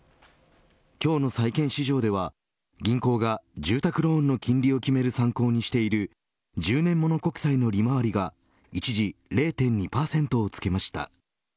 今日の債券市場では銀行が住宅ローンの金利を決める参考にしている１０年もの国債の利回りが一時０．２％をつけました。